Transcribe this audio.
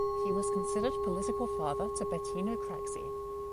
He was considered political father to Bettino Craxi.